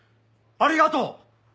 ありがとう！